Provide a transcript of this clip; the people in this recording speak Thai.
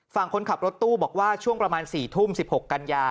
ฝั่งคนขับรถตู้บอกว่าช่วงประมาณ๔ทุ่ม๑๖กันยา